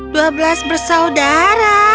dua belas bersaudara